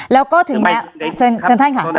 แล้วก็ถึงแม้